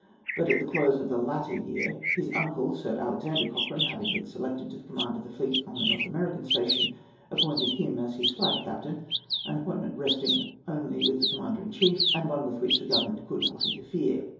But at the close of the latter year, his uncle, Sir Alexander Cochrane, having been selected for the command of the fleet on the North American station, appointed him his flag captain—an appointment resting only with the Commander in Chief, and one with which the Government could not interfere.